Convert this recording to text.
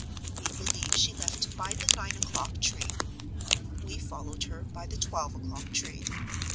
We believe she left by the nine o'clock train. We followed her by the twelve o'clock train.